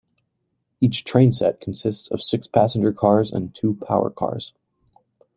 Each trainset consists of six passenger cars and two power cars.